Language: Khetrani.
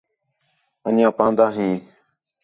اَن٘ڄیاں پاندا ہیں